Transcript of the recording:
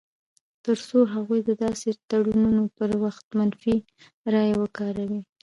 تر څو هغوی د داسې تړونونو پر وخت منفي رایه وکاروي.